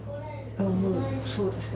もう、そうですね。